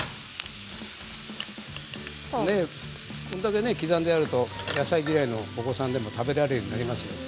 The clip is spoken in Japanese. これだけ刻んであると野菜嫌いのお子さんでも食べられるようになります。